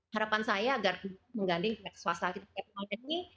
harapan saya agar kita menggandingkan suasana kita saat ini